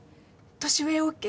「年上ＯＫ」